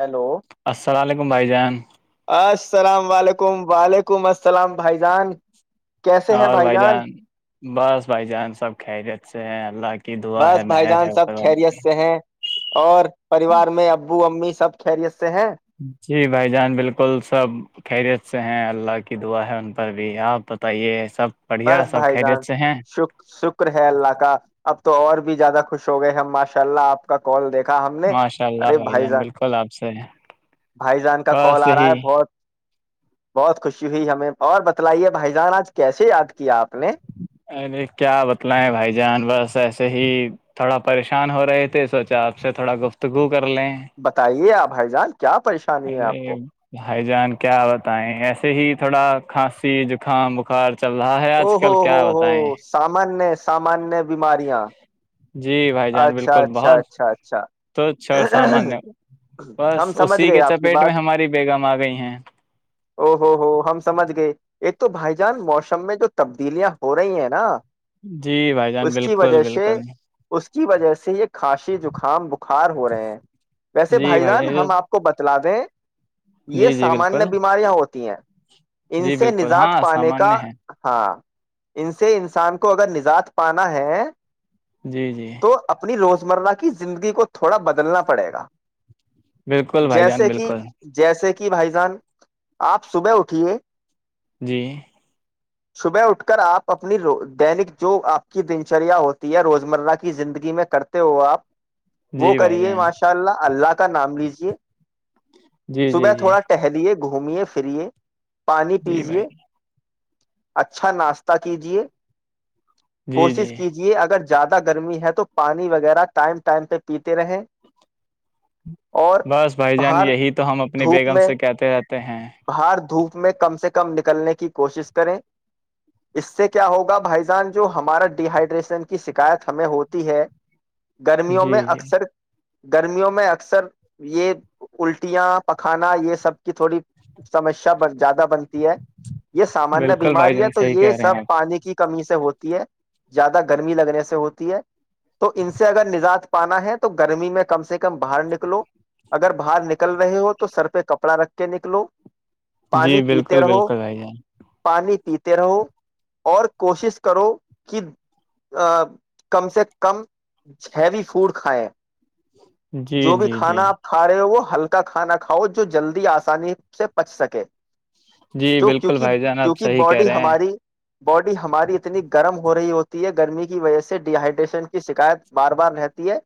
Hello السلام علیکم بھائی جان السلام علیکم وعلیکم السلام بھائی جان کیسے ہیں بھائی جان بس بھائی جان سب خیریت سے ہیں اللہ کی دعا ہے بس بھائی مہر ہے جان سب اوپر والے خیریت کی سے ہیں اور پریوار میں ابو امی سے سب خیریت سے ہے جی بھائی جان بالکل سب خیریت سے ہیں اللہ کی دعا ہے ان پر بھی آپ بتائیے سب بڑھیا بس سب بھائی جان خیریت سے ہیں شک شکر ہے اللہ کا اب تو اور بھی زیادہ خوش ہو گئے ہم ماشاء اللہ آ کا کال دیکھ ہم نے ماشاء اللہ ارے بھائی جان بالکل آپ سے بھائی جان کا کال بس آ رہا یہی ہے بہت بہت خوشی ہوئی ہمیں اور بتلائیے بھائی جان آج کیسے یاد کر کہ آپ ارے کیا بتلیں بھائی جان بس ایسے ہی تھوڑا پریشان ہو رہے تھے سوچا آپ سے تھوڑا گفتگو کر لیں بتائیے آپ بائی جال کیا پریشانی ہے آپ ارے کو بھائی جان کیا بتائیں ایسے ہی تھوڑا کھانسی زکام بخار چل رہا ہے او آج ہو کل ہو کیا ہو بتائیں سمان ہے سامانیہ بیماریاں جی بھائی جان اچھا بالکل اچھا بہت اچھا اچھا تچھ اور سامانیہ بس ہم سمجھ اسی گئے کے آپ کی چپیٹ میں بات ہماری بیگم آ گئی ہیں او ہوو ہو ہم سمجھ گئے ایک تو بھائی جان موسم میں جو تبدیلیاں ہو رہی ہیں نا جی بھائی جان اس کی بالکل وجہ سے بالکل اس کی وجہ سے یہ کھاسیی زکام بخار ہو رہے ہیں ویسے بھائی جان ہم آپ کو بتا لا دے یہ جی جی سامانیہ بالکل بیماریاں ہوتی تی ہیں ان جی سے بالکل ہاں نجات پانے کا سامانیہ ہے ہاں ان سے انسان کو اگر نجات پانا ہے جی جی تو اپنی روز مرہ کی زندگی کو تھوڑا بدلنا پڑے گا بالکل بھائی جان جیسے کہ بالکل جیسے کہ کہ بھائی جان آپ صبح اٹھیے جی صبح اٹھ کر آپ اپنی دیرک جو آپ کی دنچریا ہوتی ہے روزمرہ کی زندگی میں کرتے ہو آپ وہ جی بھائی کریے جان ماشاء اللہ اللہ کا نام لیجیے جی [unintelligible] جی صبح جی تھوڑا ٹہلیے گھومیے فریے پانی جی بھائی پیجے اچھا ناشتہ کیجے جی جی کوشش کیجیے اگر زیادہ گرمی ہے تو پانی وغیرہ ٹائم ٹائم پہ پیتے رہیں اور بس بھائی جان باہر یہی تو ہم اپنی دھوپ بیگم میں سے کہتے رہتے ہیں باہر دھوپ میں کم سے کم نکلنے کی کوشش کریں اس سے کیا ہوگا بھائی جان جو ہمارا ڈ ہائیڈریشن کی شکایت ہمیں ہوتی ہے گرمیوں میں جی جی اکثر گرمیوں میں اکثر یہ الٹیاں پکھانا یہ سب کی تھوڑی سمسیا بن زیادہ بن تی ہے یہ سامانیہ بالکل بھائی بیماری ہے جان تو صحیح یہ کہہ رہے ہیں سب آپ پانی کی کمی سے ہوتی ہے زیادہ گرمی لگنے سے ہوتی ہے تو ان سے اگر نجات پانا ہے تو گرمی میں کم سے کم باہر نکلو اگر باہر نکل رہے ہو تو سر پہ کپڑا رکھ کے نکلو جی پانی پیتے بالکل رہو بالکل بھائی جان پانی پیتے رہو اور کوشش کرو کہ کم سے کم چھیوی فوڈ کھائیں جی جو بھی جی جی کھانا آپ کھا رہے ہو وہ ہلکا کا کھانا کھاؤ جو جلدی آسانی سے پچ سکے جی جو بالکل کیونکہ بھائی جان آپ کیونکہ صحیح کہہ باڈی رہے ہیں ہماری باڈی ہماری اتنی گرم ہو رہی ہوتی ہے گرمی کی وجہ سے ڈیہائیڈریشن کی شکایت بار بار رہتی ہے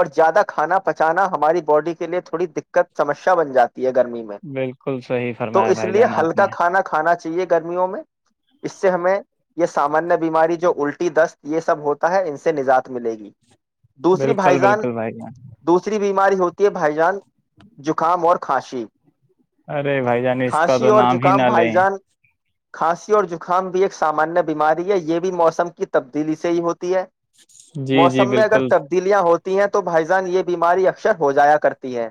اور زیادہ کھانا پچانا ہماری باڈی کے لیے تھوڑی دقت سمسیا بن جاتی تی ہے گرمی میں بالکل صحیح تو فرمایا اس بھائی لیے جان آپ ہلکا نے کھانا کھا آنا چاہیے گرمیوں میں اس سے ہمیں یہ سامانیہ بیماری جو الٹی دست یہ سب ہوتا ہے ان سے نجات ملے گی دوسری بھائی بالکل جان بالکل بھائی جان دوسری بیم ماری ہوتی ہے بھائی جان زکام اور کھانسی ارے بھائی جان اس کا کھانسی تو اور نام ہی زکام نہ بھائی لیں جان کھانسی اور زکام بھی ایک سامانیہ بیماری ہے یہ بھی موسم کی تبدیلی سے ہی ہوتی ہے جی جی موسم میں اگر بالکل تبدیلیاں ہوتی ہیں تو بھائی جان یہ بیماری اکثر ہو جایا کرتی ہے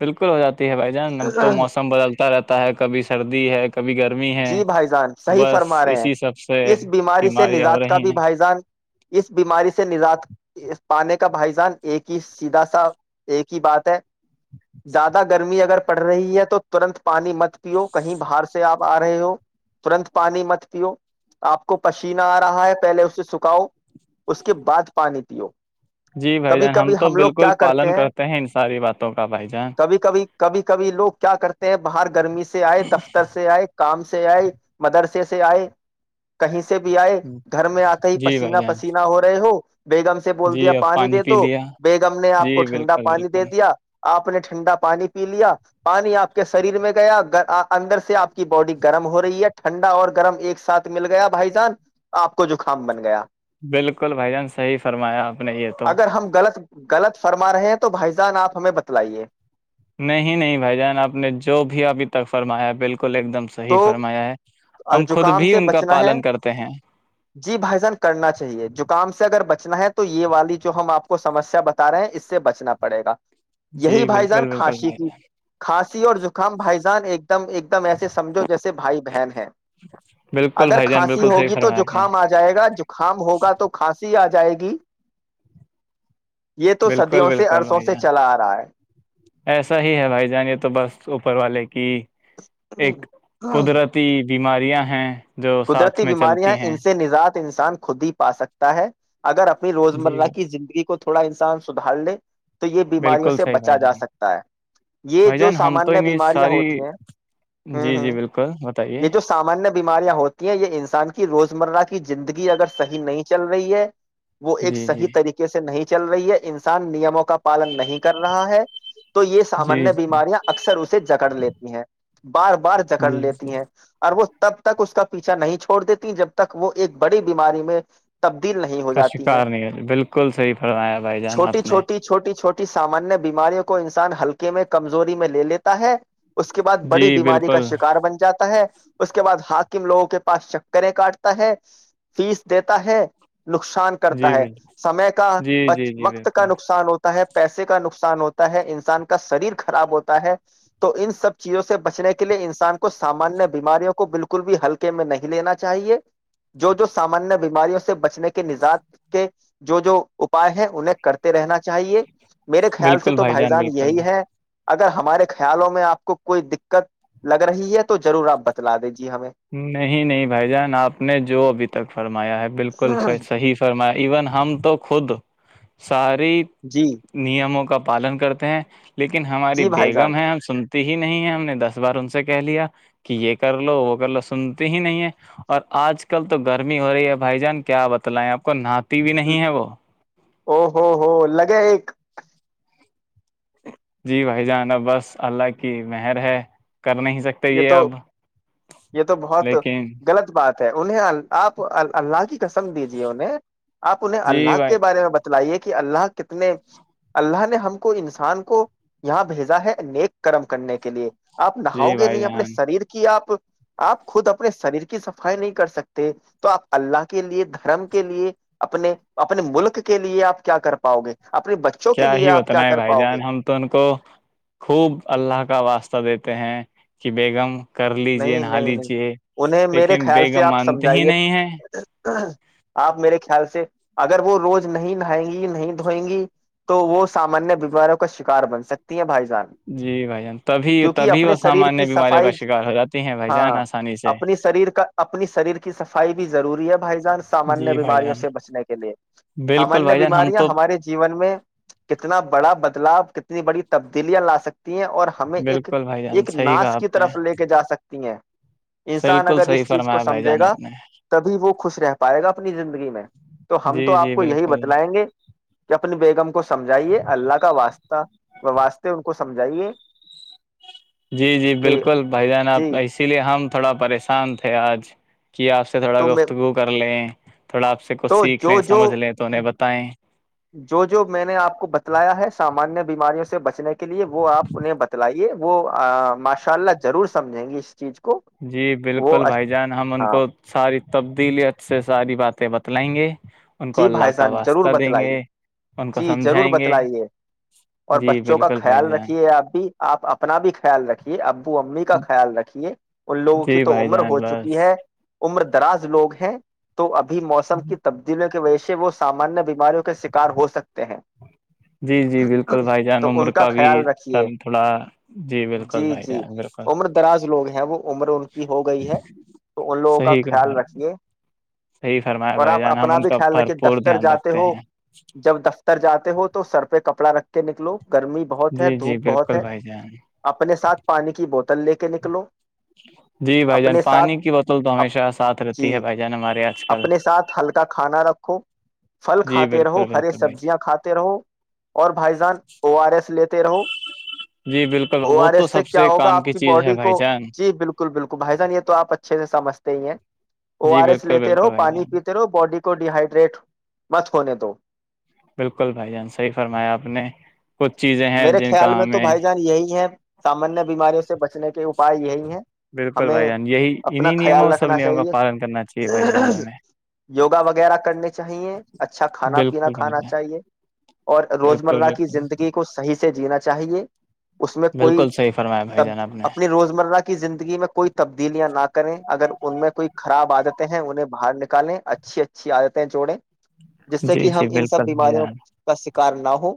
بالکل ہو جاتی ہے بھائی نب تو موسم بدلتا رہتا ہے کبھی سردی ہے کبھی گرمی ہے جی بھائی جان تو صحیح بس فرما رہے ہیں اسی سب سے اس بیماری سے بیماریاں ہو نجات کا رہی بھی ہیں بھائی جان اس بیماری سے نجات پانے کا بھائی جان ایک ہی سیدھا سا ایک ہی بات ہے زیادہ گرمی اگر پڑ رہی ہے تو ترنت پانی مت پیو کہیں باہر سے آپ آ رہے ہو ترنت پانی مت پیو آپ کو پشینہ آ رہا ہے پہلے اسے سکھاؤ اس کے بعد پانی پیو جی بھائی کبھی جان ہم کبھی تو لوگ بالکل کیا پالن کرتے ہیں ان ساری باتوں کا بھائی جان کبھی کبھی کبھی کبھی لوگ کیا کرتے ہیں باہر گرمی سے سے آئے دفتر سے آئے کام سے سے آئے مدرسے سے آئے کہیں سے سے بھی آئے گھر میں آتے ہی جی بھائی پسینہ جان پسیینہ ہو رہے ہو بیگم سے بول دیا جی اب پانی دے پی تو لیا بیگم نے جی آپ کو ٹھنڈا بالکل پانی دے بالکل دیا آپ نے ٹھنڈا پانی پی لیا پانی آپ کے سریر میں گیا اندر سے آپ کی باڈی گرم ہو رہی ہے ٹھنڈا اور گرم ایک ساتھ مل گیا بھائی جان آپ کو زکام بن گیا بالکل بھائی جان صحیح فرمایا آپ نے یہ تو اگر ہم غلط غلط فرما رہے ہیں تو بھائی جان آپ ہمیں بتلائیے نہیں نہیں بھائی جان آپ نے جو بھی ابھی تک فرمایا بالکل کل ایک دم صحیح فرمایا ہے تو ا ہم خود زکام بھی سے ان کا بچنا ہے پالن کرتے ہیں جی بھائی جان کرنا چاہیے زکام سے اگر بچنا چنا ہے تو یہ والی جو ہم آپ کو سمسیا بتا رہے ہیں اس سے بچنا پڑے گا یہی جی بھائی جان بالکل بالکل کھاسیی بھائی کی جان کھاسیی ی اور زکام بھائی جان ایک ایک دم ایک دم ایسے سجھو جیسے بھائی بہن بالکل اگر بھائی جان کھانسی بالکل صحیح ہوگی تو فرمایا آپ نے زکام آ جائے گا زکام ہوگا تو کھانسی آ جائے گی یہ تو بالکل صدیوں سے بالکل عرصوں بھائی سے جان چلا آ رہا ہے ایسا ہی ہے بھائی جان یہ تو بس ا اوپر والے کی ایک قدرتی بیماریاں ہاں قدرتی بیماریاں ان سے نجات انسان خود ہی پا سکتا ہے اگر اپنی جی روزمرہ کی زندگی کو تھوڑا انسان سدھار لے تو یہ بیماریوں بالکل سے صحیح بچا بھائی جا جان سکتا ہے یہ بھائی جو جان ہم تو سامانیہ انہیں بیماریاں ساری ہوتی ہیں ہ جی ہوں جی بالکل بتائیے یہ جو سامانیہ بیماریاں ہوتی ہیں یہ انسان کی روزمرہ کی زندگی اگر صحیح نہیں چل رہی ہے وہ ایک جی صحیح طریقے سے نہیں چل رہی ہے انسان نیموں کو کا پالن نہیں کر رہا ہے تو یہ جی سامانیہ جی بیماریاں اکثر اسے جکڑ لیتی ہیں بار بار جکڑ جی جی لیتے اور وہ تب تک اس کا پیچھا نہیں چھوڑ دیتی جب تک وہ ایک بڑی بیماری میں تبدیل نہیں ہو کا جاتی ہیں شکار نہیں ہے بالکل صحیح فرمایا بھائی جان چھوٹی آپ نے چھوٹی چھوٹی چھوٹی سامانیہ بیماریوں کو انسان ہلکے میں کمزوری میں لے لیتا ہے اس کے بعد جی بڑی بیماری کا بالکل شکار بن ہے اس کے بعد حاکم لوگوں کے پاس چکریں کاٹتا ہے فیس دیتا ہے نقصان کرتا جی ہے بالکل سمے کا جی بچ جی جی وقت بالکل کا نقصان ہوتا ہے پیسے کا نقصان ہوتا ہے انسان کا شریر خراب ہوتا ہے تو ان سب چیزوں سے بچنے کے لیے انسان کا سامانیہ بیماریوں کو بالکل بھی ہلکے میں نہیں لینا چاہیے جو جو سامانیہ بیماریوں سے بچنے کے نجات کے جو جو اپائے ہیں انہیں کرتے رہنا چاہیے میرے خیال سے تو بھائی جان یہی ہے اگر ہمارے خیالوں میں آپ کو کوئی دقت لگ رہی ہے تو ضرور آپ بتلا دیجیے ہمیں نہیں نہیں بھائی جان آپ نے جو ابھی تک فرمایا ہے بالکل صحیح س میں ایون ہم تو خود سا جی نیموں کا پالن کرتے ہیں لیکن ہماری جی بھائی جان بیگم ہے ہم سن ہی نہیں ہے ہم نے دس بار ان سے کہہ لیا کہ یہ کر لو وہ کر لو [unintelligible] سنتے ہی نہیں ہے اور آج کل تو گرمی ہو رہی ہے بھائی جان کیا بتلائیں آپ کو نہات او ہو ہو لگے ایک جی بھائی جانا بس اللہ کی مہر ہے کر نہیں سکتے یہ تو اب یہ تو بہت لیکن غلط بات ہے انہیں آپ اللہ کی قسم دیجیے انہیں آپ انہیں جی اللہ بھائی کے بارے میں بتا لائیے کہ اللہ کتنے اللہ نے ہم کو انسان کو یہاں بھیجا ہے نیک کرم کرنے کے لیے آپ نہ ؤ جی گے بھائی نہیں اپنے جان شریر کی آپ آپ خود اپنے شریر کی صفائی نہیں کر سکتے تو آپ اللہ کے لیے دھرم کے لیے اپنے اپنے ملک کے لیے آپ کیا کر پاؤ گے اپنے بچوں کے کیا لیے ہی آپ کیا بتنا ہے کر بھائی پاؤ گے جان ہم تو ان کو خوب اللہ کا واسطہ دیتے کہیں کہ بیگم کر لیجے نہیں نہا نہیں نہیں لیجے انہیں میرے لیکن خیال سے بیگم آپ مانتے ہی سمجھائیے نہیں ہیں آپ میرے خیال سے اگر وہ روز نہیں نہائیں گی نہیں دھوئیں گی تو وہ سامانیہ بیماراریوں کا شکار بن سکتی ہیں بھائی ج جی بھ جان تبھی تبھی وہ شریر سامانیہ کی بیماریوں کا صفائی شکار ہو جاتی ہیں بھائی جان ہاں آسانی سے اپنی شریر کا اپنی شریر کی صفائی بھی ضروری ہے بھائی جان سامانیہ جی بھائی بیماریوں جان سے بچنے کے لیے بالکل سامانیہ بھائی جان ہم بیماریاں تو ہمارے جیون میں کتنا بڑا بدلاؤ ک ات بڑی تبدیلیاں لا سکتے ہیں اور ہمیں ایک بالکل بھائی جان ایک صحیح کہا ناس کی آپ نے طرف لے کے تو ہیں انسان بالکل اگر صحیح اس چیز کو فرمایا بھائی سمجھے جان گا آپ نے تبھی وہ خوش رہ پائے گا اپنی زندگی میں تو ہم تو جی آپ جی کو یہی بالکل بتلائیں گے کہ اپنی بی ہم کو سمجھائیے اللہ کا واسطہ واسطے ان کو سمجھے جی جی بالکل بھائی جناب اسی لیے ہم تھوڑا پریشان تھے آج کہ آپ سے تھوڑا تو میں گفتگو کر لیں تھوڑا آپ سے کچھ تو سیکھ لیں جو جو سمجھ لیں تو انہیں بتائیں جو جو میں نے آپ کو بتلایا ہے سامانیہ بیماریوں سے بچنے کے لیے وہ آپ انہیں بتلائیے وہ ماشاء اللہ ضرور سمجھیں گے اس چیز کو جی وہ بالکل بھائی جان ہم ان ہاں کو ساری تبدیلیت سے ساری باتیں بتلائیں گے ان کو جی اللہ بھائی کا جان ضرور واسطہ دیں گے بتلائیے ان کو جی ضرور سمجھائیں گے بتلائیے اور جی بچوں کا بالکل بھائی خیال جان رکھیے آپ بھی آپ اپنا بھی خیال رکھیے ابو امی کا خیال رکھیے ان لوگوں کی جی تو بھائی عمر جان ہو چکی بس ہے عمر دراز لوگ ہیں تو اب موسم کی تاب کی وجہ سے وہ سامانیہ بیماریوں کے شکار ہو سکتے ہیں جی جی بالکل بھائی جان تو ان عمر کا بھی خیال رکھیے تھوڑا بالکل جی بھائی جی جان بالکل عمر دراز لوگ ہیں وہ عمر ان کی ہو گئی ہے تو ان لوگوں کا خیال رکھیے صحیح فرمایا اور بھائی آپ جان اپ ہم اپنا ان بھی کا خیال رکھے بھرپور دفتر دھیان جاتے رکھتے ہو ہیں جب دفتر تر جاتے ہو تو سر پہ کپڑا رکھ کے نکلو گرمی بہت ہے جی جی دھوپ بہت بالکل ہے بھائی جان اپنے ساتھ پانی کی بوتل تل لے کے نکلو جی بھائی جان اپنے ساتھ پانی کی بوتل تو ہمیشہ ساتھ جی رہتی ہے بھائی جان ہمارے آج کل اپنے ساتھ ہلکا کھانا رکھو پھل جی کھاتے رہو بالکل ہری بالکل بھائی سبزیاں کھاتے رہو اور بھائی جان او آر ایس لیتے رہو جان جی بالکل او وہ آر تو ایس سے سب کیا ہوگا کام آپ کی چیز ہے باڈی بھائی کو جان جی بالکل بالکل بھائی جان یہ تو آپ اچھے سے سمجھتے ہی ہیں او جی آر ایس بالکل لیتے بالکل رہو بھائی پانی جان پیتے رہو باڈی کو ڈی ہائڈریٹ مت ہونے دو بالکل بھائی جان صحیح فرمایا آپ نے کچھ چیزیں ہیں میرے جن خیال کا میں تو ہمیں بھائی جان یہی ہے سامانیہ بیماریوں سے بچنے کے اپ پائے یہی ہے بالکل ہمیں بھائی جان یہی اپنا انہیں نیموں خیال سب رکھنا نیموں کا چاہیے پالن کرنا چاہیے بھائی جان ہمیں یوگا وغیرہ کرنی چاہیے اچھا کھانا پینا بالکل بھائی کھانا جان چاہیے اور بالکل روزمرہ کی بالکل زندگی صحیح سے جینا چاہیے اس میں کوئی بالکل صحیح فرمایا بھائی جان آپ نے اپنی روز مرہ کی زندگی میں کوئی تبدیلیاں نہ کریں اگر ان میں کوئی خراب عادتیں ہیں انہیں باہر نکالیں اچھی اچھی عادتیں جوڑیں جس سے جی کہ ہم جی ان سب بالکل بھائی بیماریوں جان کا کار نہ ہو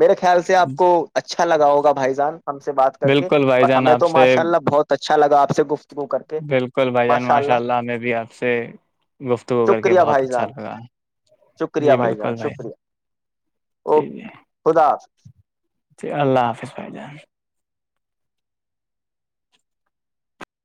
میرے خیال سے آپ‌کو اچھا لگا ہوگا بھائی جان ہم سے بات کر کے بالکل بھائی اور جان ہمیں آپ تو سے ماشاء اللہ بہت اچا اچھاگا آپ سے گفت بالکل بھائی جان ماشاء اللہ میں بھی آپ سے گفتگو کر کے شکریہ بہت بھائی اچھا جان لگا جی بالکل بھائی جان جی اوک جی خدا حافظ۔ جی اللہ حافظ بھائی جان